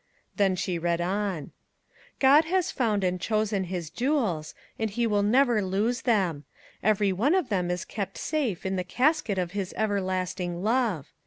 Then she read on. " God has found and chosen his jewels, and he will never lose them. Every one of them is kept safe in the casket of his everlasting love.